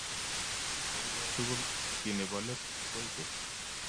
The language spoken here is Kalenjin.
Kou kotugul, ki nebo let koitei